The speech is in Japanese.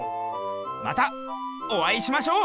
またおあいしましょう！